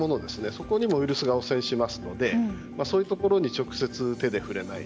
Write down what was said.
そこにもウイルスが汚染しますのでそういうところに直接、手で触れない。